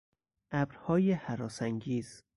ابرهای هراسانگیز